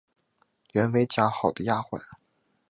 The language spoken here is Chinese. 原为贾赦的丫环。